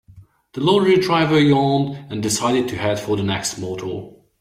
The lorry driver yawned and decided to head for the next motel.